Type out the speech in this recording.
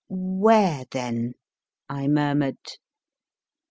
Where then ? I murmured.